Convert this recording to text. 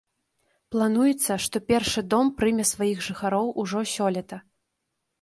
Плануецца, што першы дом прыме сваіх жыхароў ужо сёлета.